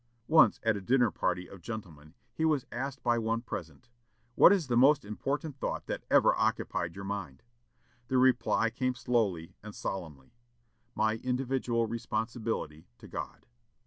Once, at a dinner party of gentlemen, he was asked by one present, "What is the most important thought that ever occupied your mind?" The reply came slowly and solemnly, "My individual responsibility to God!"